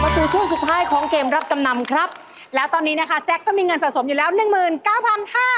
มาชูช่วงสุดท้ายของเกมรับจำนำครับแล้วตอนนี้นะคะแจ๊คก็มีเงินสะสมอยู่แล้ว๑๙๕๐๐บาท